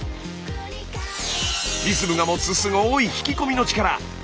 リズムが持つすごい引き込みの力。